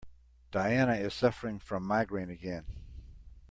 Diana is suffering from migraine again.